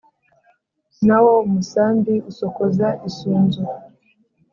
na wo umusambi usokoza isunzu :